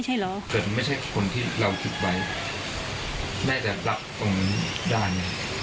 เกิดไม่ใช่คนที่เราคิดไว้แน่แต่รับตรงด้านนี้